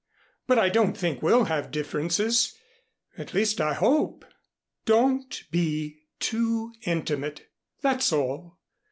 But I don't think we'll have differences at least I hope " "Don't be too intimate that's all.